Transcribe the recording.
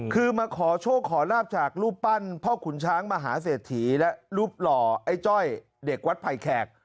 คือมาขอโชคขอลาบจากรูปปั้นพ่อขุนช้างมหาเศรษฐีและรูปหล่อไอ้จ้อยเด็กวัดไผ่แขก